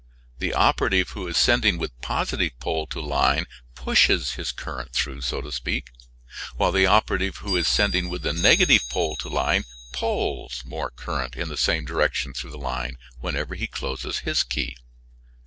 The operative who is sending with positive pole to line pushes his current through so to speak while the operative who is sending with the negative pole to line pulls more current in the same direction through the line whenever he closes his key.